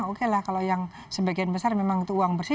oke lah kalau yang sebagian besar memang itu uang bersih